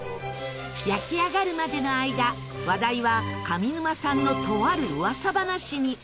焼き上がるまでの間話題は上沼さんのとある噂話に。